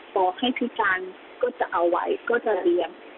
บอกให้พี่จังก็จะเอาไว้ก็จะเรียน